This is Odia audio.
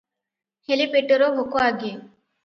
ହେଲେ ପେଟର ଭୋକ ଆଗେ ।